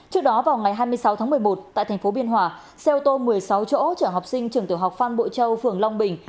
trước đó vào ngày hai mươi sáu tháng một mươi một tại thành phố biên hòa xe ô tô một mươi sáu chỗ chở học sinh trường tiểu học phan bội châu phường long bình